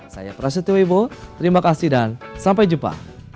saya prasetyobo terima kasih dan sampai jumpa